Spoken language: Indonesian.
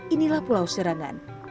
inilah pulau serangan